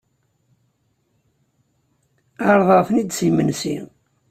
Ɛerḍeɣ-ten-id s imensi.